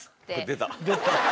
出た。